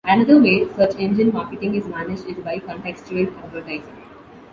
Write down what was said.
Another way search engine marketing is managed is by contextual advertising.